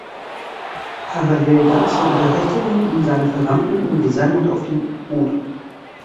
Parallel dazu unterrichteten ihn seine Verwandten in Gesang und auf dem Oud.